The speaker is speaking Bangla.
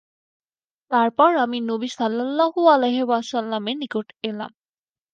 তারপর আমি নবী সাল্লাল্লাহু আলাইহি ওয়াসাল্লামের নিকট এলাম।